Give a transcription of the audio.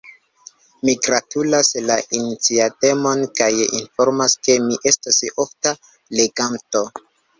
Mi gratulas la iniciatemon, kaj informas ke mi estos ofta leganto.